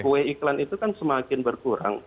kue iklan itu kan semakin berkurang